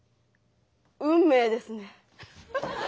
運命ですね。